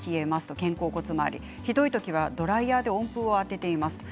肩甲骨回り、ひどい時はドライヤーで温風を当てています。